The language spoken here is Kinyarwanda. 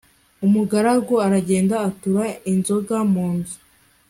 Umugaragu aragenda atura inzoga mu nzu